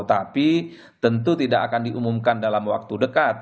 tapi tentu tidak akan diumumkan dalam waktu dekat